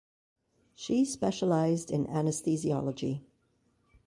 She specialised in Anesthesiology.